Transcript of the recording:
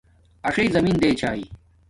اݽݵ زمین دے چھاݵ